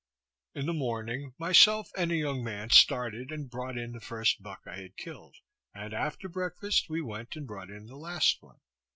In the morning, myself and a young man started and brought in the first buck I had killed; and after breakfast we went and brought in the last one.